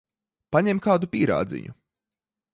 Paņem kādu pīrādziņu.